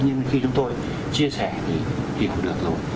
nhưng khi chúng tôi chia sẻ thì hiểu được rồi